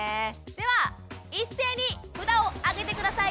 では一斉に札をあげて下さい。